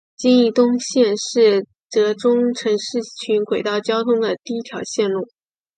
金义东线是浙中城市群轨道交通的第一条线路。